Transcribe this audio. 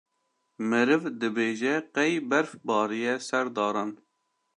meriv dibêje qey berf bariye ser daran.